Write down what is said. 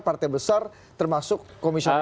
partai besar termasuk komisioner